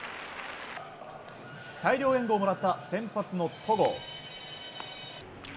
大量援護をもらった先発の戸郷。